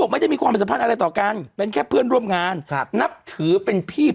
มันก็จะเป็นอย่างนี้